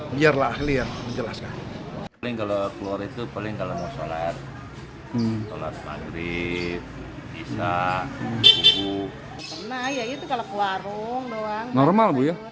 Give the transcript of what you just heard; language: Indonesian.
biarlah lihat menjelaskan bingkai luar itu paling kalau mau sholat sholat maghrib bisa